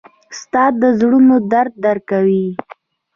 استاد د زړونو درد درک کوي.